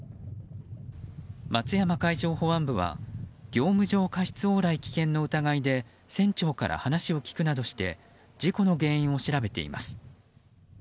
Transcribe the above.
松山海上保安部は業務上過失往来危険の疑いで船長から話を聞くなどして事故の原因を調べています。